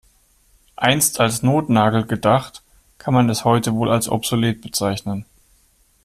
Einst als Notnagel gedacht, kann man es heute wohl als obsolet bezeichnen.